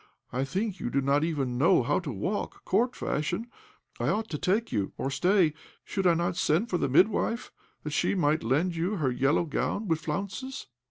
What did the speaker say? I think you do not even know how to walk Court fashion. I ought to take you; or, stay, should I not send for the midwife, that she might lend you her yellow gown with flounces?"